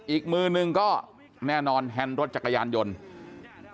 อีกมือนึงก็แน่นอนแฮนด์รถจักรยานยนต์